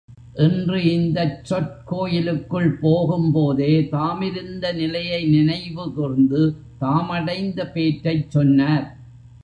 என்று இந்தச் சொற் கோயிலுக்குள் போகும்போதே, தாம் இருந்த நிலையை நினைவு கூர்ந்து, தாம் அடைந்த பேற்றைச் சொன்னார்.